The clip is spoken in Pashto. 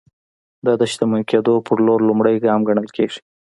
دا د شتمن کېدو پر لور لومړی ګام ګڼل کېږي.